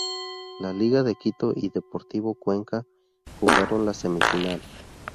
Liga de Quito y Deportivo Cuenca jugaron la semifinal.